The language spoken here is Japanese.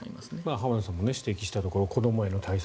浜田さんも指摘したところ子どもへの対策